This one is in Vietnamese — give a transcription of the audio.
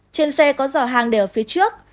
trên xe có giỏ hàng để ở phía trước